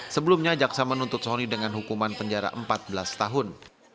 sebelumnya jaksa menuntut soni dengan hukuman penjara empat belas tahun